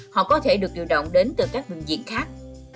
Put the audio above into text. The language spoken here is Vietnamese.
họ có thể được điều động đến từ các bệnh viện khác